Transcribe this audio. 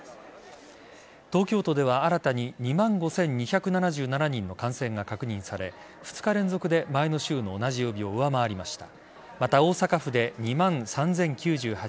東京都では新たに２万５２７７人の感染が確認され２日連続で前の週の同じ曜日を上回りました。